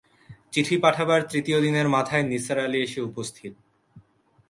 চিঠি পাঠাবার তৃতীয় দিনের মাথায় নিসার আলি এসে উপস্থিত।